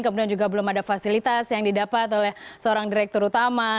kemudian juga belum ada fasilitas yang didapat oleh seorang direktur utama